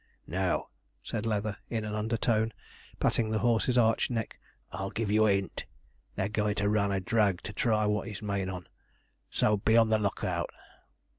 'Now,' said Leather, in an undertone, patting the horse's arched neck, 'I'll give you a hint; they're a goin' to run a drag to try what he's made on, so be on the look out.'